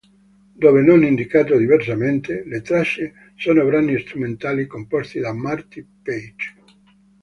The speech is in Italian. Dove non indicato diversamente, le tracce sono brani strumentali composti da Marty Paich.